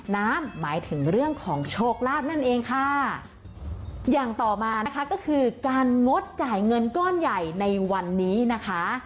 น้ำหมายถึงเรื่องของโชคลาภนั่นเองค่ะอย่างต่อมานะคะก็คือการงดจ่ายเงินก้อนใหญ่ในวันนี้นะคะ